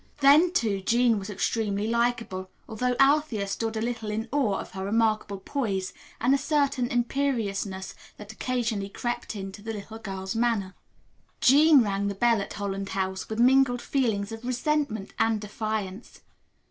Then, too, Jean was extremely likable, although Althea stood a little in awe of her remarkable poise and a certain imperiousness that occasionally crept into the girl's manner. Jean rang the bell at Holland House with mingled feelings of resentment and defiance.